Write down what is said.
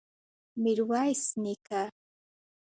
ميرويس نيکه!